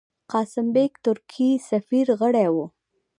قاسم بېګ، ترکی سفیر، غړی وو.